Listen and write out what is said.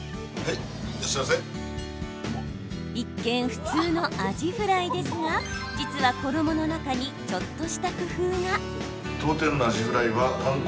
一見、普通のアジフライですが実は、衣の中にちょっとした工夫が。